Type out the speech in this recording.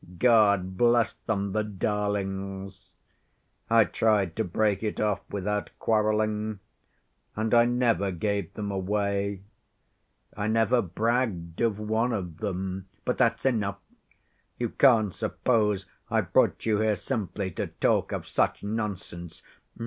God bless them, the darlings. I tried to break it off without quarreling. And I never gave them away. I never bragged of one of them. But that's enough. You can't suppose I brought you here simply to talk of such nonsense.